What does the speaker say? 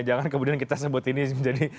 jangan kemudian kita sebut ini menjadi